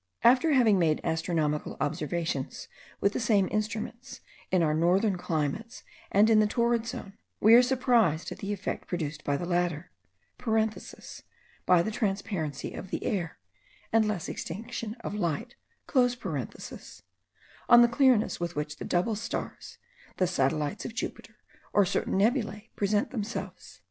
After having made astronomical observations with the same instruments, in our northern climates and in the torrid zone, we are surprised at the effect produced in the latter (by the transparency of the air, and the less extinction of light), on the clearness with which the double stars, the satellites of Jupiter, or certain nebulae, present themselves.